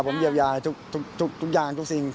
ผมเยียวยาทุกอย่างทุกสิ่ง